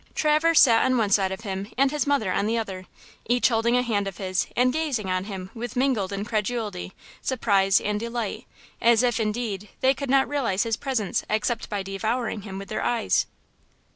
Traverse sat on one side of him and his mother on the other, each holding a hand of his and gazing on him with mingled incredulity, surprise and delight, as if, indeed, they could not realize his presence except by devouring him with their eyes.